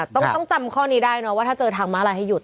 ต้องจำข้อนี้ได้เนอะว่าถ้าเจอทางม้าลายให้หุ